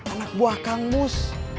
anak buah kangmus